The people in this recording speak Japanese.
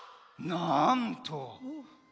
なんと。